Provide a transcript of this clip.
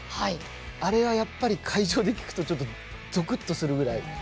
あれがやっぱり会場で聞くとぞくっとするぐらい。